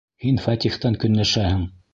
Һин Фәтихтән көнләшәһең.